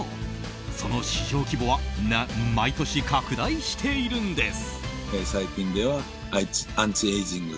その市場規模は毎年、拡大しているんです。